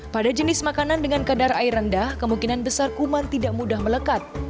pada jenis makanan dengan kadar air rendah kemungkinan besar kuman tidak mudah melekat